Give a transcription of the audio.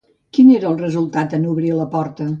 Quin era el resultat en obrir la porta?